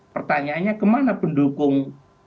pertanyaannya kemana pendukung